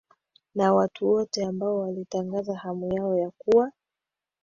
na watu wote ambao walitangaza hamu yao ya kuwa